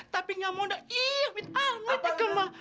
tapi gak mau udah iya mit amat ya gemma